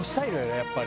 やっぱり。